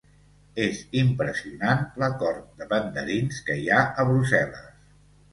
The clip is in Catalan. És impressionant la cort de mandarins que hi ha a Brussel·les.